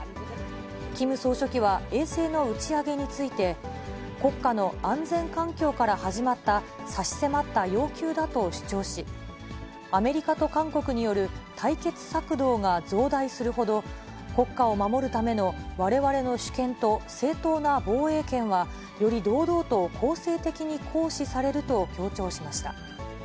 キム総書記は、衛星の打ち上げについて、国家の安全環境から始まった差し迫った要求だと主張し、アメリカと韓国による対決策動が増大するほど、国家を守るためのわれわれの主権と正当な防衛権はより堂々と攻勢的に行使されると強調しました。